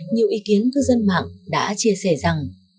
nhiều ý kiến cư dân mạng đã chia sẻ rằng